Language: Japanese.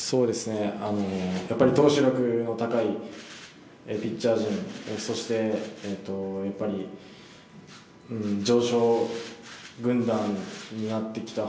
やっぱり投手力の高いピッチャー陣そして常勝軍団になってきた